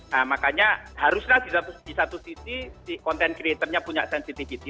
nah makanya haruslah di satu sisi content creatornya punya sensitivity